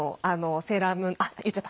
「セーラームーン」あっ、言っちゃった。